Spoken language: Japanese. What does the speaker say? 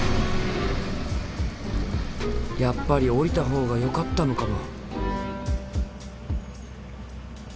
やっぱり降りたほうがよかったのかも。